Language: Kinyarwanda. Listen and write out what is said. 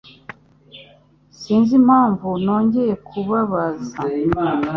Sinzi impamvu nongeye kubabaza.